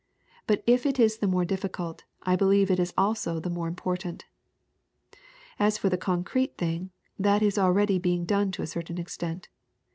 But if it is the more difficult, I believe it is also the more important. "As for the concrete thing, that is already being done to a certain extent.